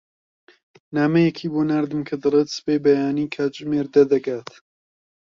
نامەیەکی بۆ ناردم کە دەڵێت سبەی بەیانی کاتژمێر دە دەگات.